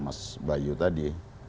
mas bayu tadi